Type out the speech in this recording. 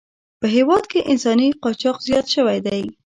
په هېواد کې انساني قاچاق زیات شوی دی.